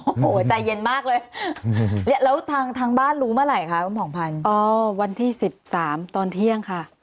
โอ้โหใจเย็นมากเลยแล้วทางบ้านรู้เมื่อไหร่ค่ะวันที่๑๓ตอนเที่ยงค่ะ